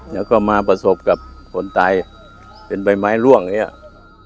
แล้วก็มาประสบกับคนตายเป็นใบไม้ล่วงอย่างเงี้ย